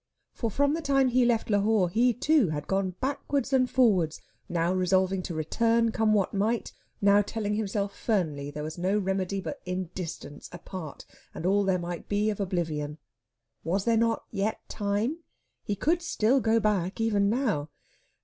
For from the time he left Lahore he, too, had gone backwards and forwards, now resolving to return, come what might, now telling himself firmly there was no remedy but in distance apart, and all there might be of oblivion. Was there not yet time? He could still go back, even now.